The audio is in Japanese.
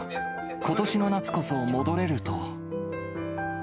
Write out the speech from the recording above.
ことしの夏こそ、戻れると。